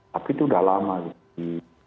tapi itu udah lama gitu